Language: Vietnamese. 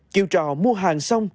chiều trò mua hàng xong